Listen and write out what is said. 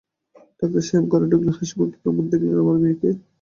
Doctor সাহেব ঘরে ঢুকলেন হাসিমুখে, কেমন দেখলেন আমার মেয়েকে?